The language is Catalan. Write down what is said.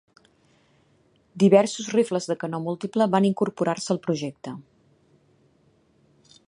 Diversos rifles de canó múltiple van incorporar-se al projecte.